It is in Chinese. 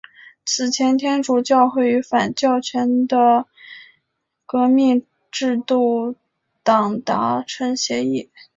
此前天主教会与反教权的革命制度党达成协议。